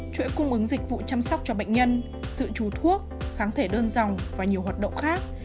chuỗi cung ứng dịch vụ chăm sóc cho bệnh nhân sự trú thuốc kháng thể đơn dòng và nhiều hoạt động khác